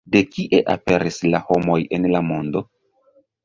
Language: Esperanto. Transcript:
De kie aperis la homoj en la mondo?